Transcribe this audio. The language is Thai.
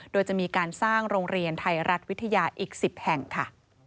โดยจะมีการสร้างโรงเรียนไทยรัฐวิทยาอีก๑๐แห่งค่ะ